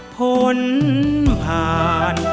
พ้นผ่าน